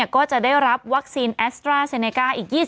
ก็จะได้รับวัคซีนแอสตาร์เซเนกา